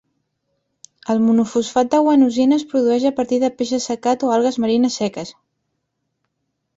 El monofosfat de guanosina es produeix a partir de peix assecat o algues marines seques.